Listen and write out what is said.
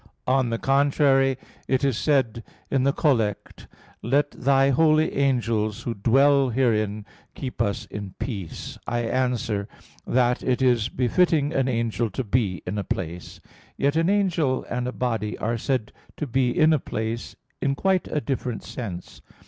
On the contrary, It is said in the Collect [*Prayer at Compline, Dominican Breviary]: "Let Thy holy angels who dwell herein, keep us in peace." I answer that, It is befitting an angel to be in a place; yet an angel and a body are said to be in a place in quite a different sense.